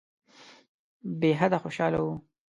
بېحده خوشاله وو.